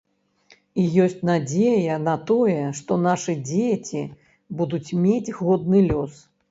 І ёсць надзея на тое, што нашы дзеці будуць мець годны лёс.